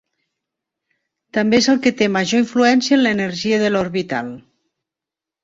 També és el que té major influència en l'energia de l'orbital.